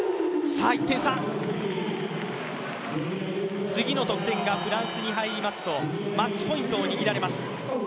さあ１点差、次の得点がフランスに入りますとマッチポイントを握られます。